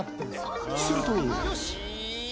すると。